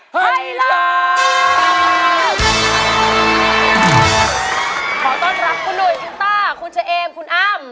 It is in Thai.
ขอต้อนรับคุณหนุ่ยคุณต้าคุณเฉเอมคุณอ้ำ